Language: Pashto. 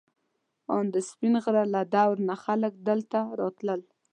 ان د سپین غر له درو نه خلک دلته راتلل.